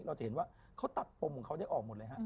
เราจะเห็นว่าเขาตัดปมของเขาได้ออกหมดเลยฮะ